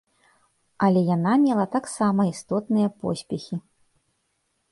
Але яна мела таксама істотныя поспехі.